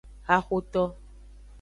Haxoto.